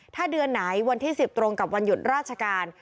ถ้าเดือนไหนวันที่๑๐ตรงกับวันหยุดราชการ